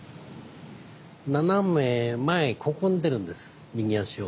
斜め前ここに出るんです右足を。